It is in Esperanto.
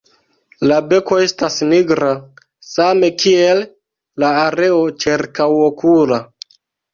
La beko estas nigra, same kiel la areo ĉirkaŭokula.